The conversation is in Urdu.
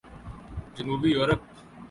جنوبی یورپ